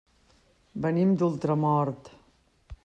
Venim d'Ultramort.